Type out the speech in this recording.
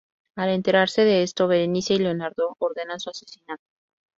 Al enterarse de esto, Berenice y Leonardo ordenan su asesinato.